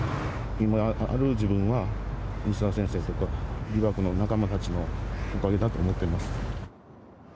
今ある自分は、西澤先生とか、リワークの仲間たちのおかげだと思っています。